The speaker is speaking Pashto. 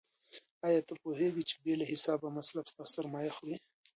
آیا ته پوهېږې چې بې له حسابه مصرف ستا سرمایه خوري؟